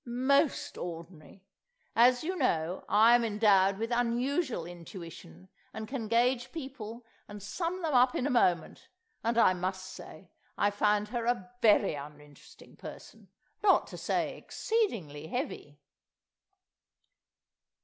Most ordinary. As you know, I'm endowed with unusual intuition, and can gauge people and sum them up in a moment, and I must say I found her a very uninteresting person—not to say exceedingly heavy."